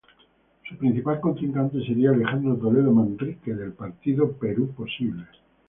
Su principal contrincante sería Alejandro Toledo Manrique, del partido Perú Posible.